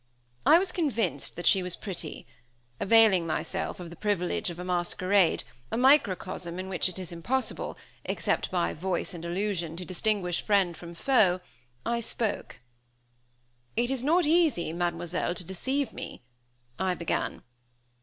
I was convinced that she was pretty. Availing myself of the privilege of a masquerade, a microcosm in which it is impossible, except by voice and allusion, to distinguish friend from foe, I spoke: "It is not easy, Mademoiselle, to deceive me," I began.